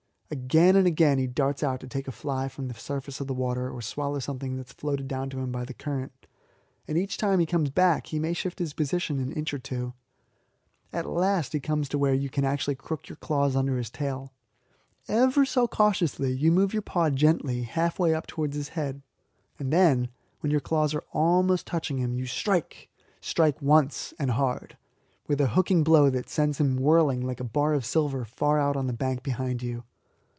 Again and again he darts out to take a fly from the surface of the water or swallow something that is floated down to him by the current, and each time that he comes back he may shift his position an inch or two. At last he comes to where you can actually crook your claws under his tail. Ever so cautiously you move your paw gently halfway up towards his head, and then, when your claws are almost touching him, you strike strike, once and hard, with a hooking blow that sends him whirling like a bar of silver far out on the bank behind you.